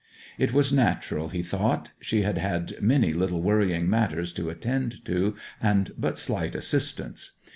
It was natural, he thought. She had had many little worrying matters to attend to, and but slight assistance.